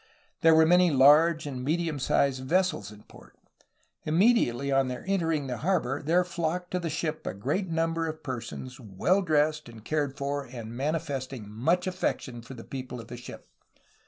There were many large and medium sized vessels in port. Imme diately on their entering the harbor there flocked to the ship a great number of persons well dressed and cared for and manifest ing much affection for the people of the ship.